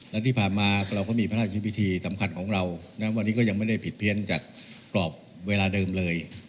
และที่ผ่านมาเราก็มีพระราชพิธีสำคัญของเรานะวันนี้ก็ยังไม่ได้ผิดเพี้ยนจากกรอบเวลาเดิมเลย